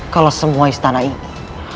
kalau semua istana ini